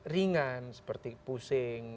ringan seperti pusing